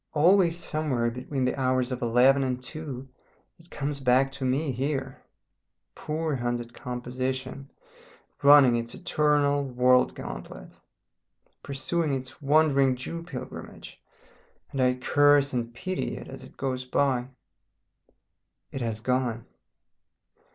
Always somewhere between the hours of eleven and two it comes back to me here, poor hunted composition, running its eternal world gauntlet, pursuing its Wandering Jew pilgrimage, and I curse and pity it as it goes by.... It has gone.